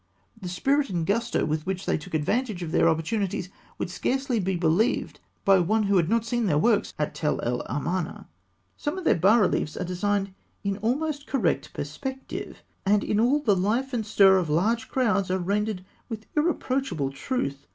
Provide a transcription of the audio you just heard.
The spirit and gusto with which they took advantage of their opportunities would scarcely be believed by one who had not seen their works at Tell el Amarna. Some of their bas reliefs are designed in almost correct perspective; and in all, the life and stir of large crowds are rendered with irreproachable truth.